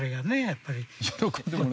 やっぱり。